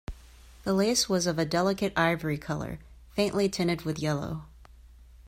The lace was of a delicate ivory color, faintly tinted with yellow.